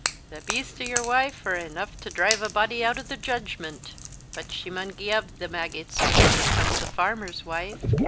Thae beasts o' your wife's are eneugh to drive a body oot o' their judgment. But she maun gi'e up thae maggots when she becomes a farmer's wife.